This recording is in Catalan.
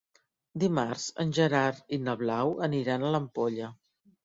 Dimarts en Gerard i na Blau aniran a l'Ampolla.